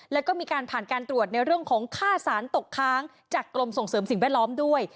แล้วก็มีการผ่านการตรวจในเรื่องของค่าสารตกค้างจากกรมส่งเสริมสิ่งแวดล้อมด้วย